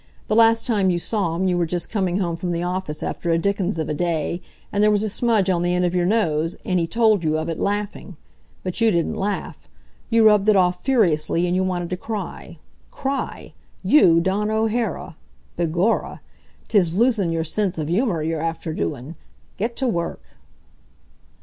The last time you saw him you were just coming home from the office after a dickens of a day, and there was a smudge on the end of your nose, and he told you of it, laughing. But you didn't laugh. You rubbed it off, furiously, and you wanted to cry. Cry! You, Dawn O'Hara! Begorra! 'Tis losin' your sense av humor you're after doin'! Get to work."